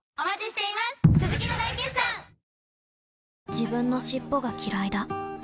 自分の尻尾がきらいだ